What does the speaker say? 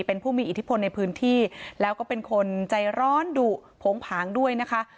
เป็นผู้มีอิทธิพลในพื้นที่แล้วก็เป็นคนใจร้อนดุโผงผางด้วยนะคะ